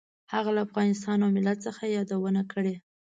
هغه له افغانستان او ملت څخه یادونه کړې.